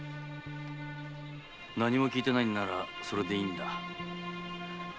聞いてないならそれでいいんだ。